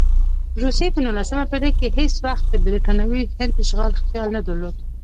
روسیې په نولسمه پېړۍ کې هېڅ وخت د برټانوي هند اشغال خیال نه درلود.